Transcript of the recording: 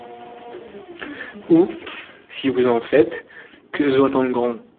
Ou, si vous en faites, que ce soit en grand.